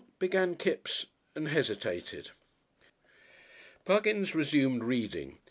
began Kipps and hesitated. Buggins resumed reading.